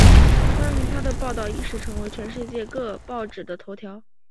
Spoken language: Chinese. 关于她的报道一时成为全世界各报纸的头条。